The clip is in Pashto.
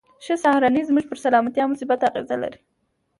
ښه سهارنۍ زموږ پر سلامتيا مثبته اغېزه لري.